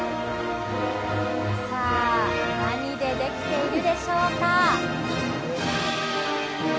さあ、何でできているでしょうか。